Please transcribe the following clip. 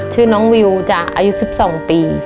ชื่อน้องวิวจ้ะอายุ๑๒ปี